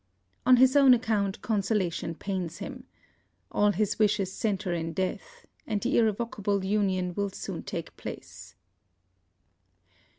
On his own account, consolation pains him. All his wishes centre in death; and the irrevocable union will soon take place.